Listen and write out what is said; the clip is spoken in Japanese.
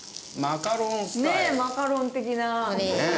マカロン的な。